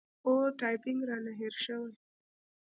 او ټایپینګ رانه هېر شوی